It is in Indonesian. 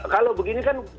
kalau begini kan